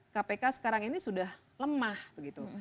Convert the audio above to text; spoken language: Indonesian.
kpk sekarang ini sudah lemah begitu